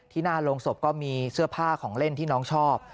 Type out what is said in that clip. หน้าโรงศพก็มีเสื้อผ้าของเล่นที่น้องชอบ